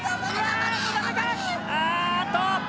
ああっと！